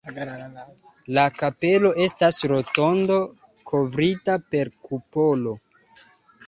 La kapelo estas rotondo kovrita per kupolo.